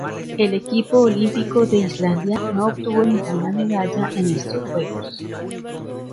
El equipo olímpico de Islandia no obtuvo ninguna medalla en estos Juegos.